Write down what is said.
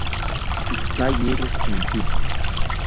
Ikayero shinki